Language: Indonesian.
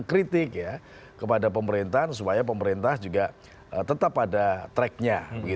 kritik ya kepada pemerintahan supaya pemerintah juga tetap ada tracknya